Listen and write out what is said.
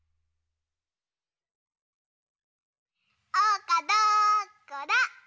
おうかどこだ？